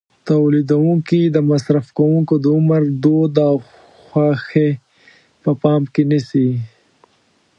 تولیدوونکي د مصرف کوونکو د عمر، دود او خوښې په پام کې نیسي.